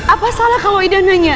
apa salah kalau ida nanya